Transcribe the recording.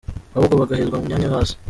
Ahubwo bagahezwa mu myanya yo hasi.